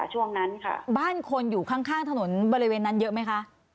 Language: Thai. ช่วงนั้นค่ะบ้านคนอยู่ข้างถนนบริเวณนั้นเยอะไหมคะ